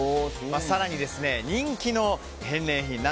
更に、人気の返礼品